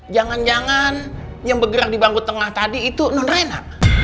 jangan jangan yang bergerak di bangku tengah tadi itu non renang